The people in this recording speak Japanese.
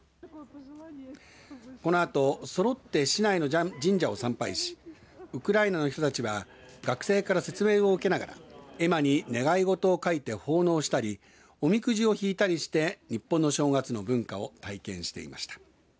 このあとそろって市内の神社を参拝しウクライナの人たちは学生から説明を受けながら絵馬に願いごとを書いて奉納したりおみくじを引いたりして日本の正月の文化を体験していました。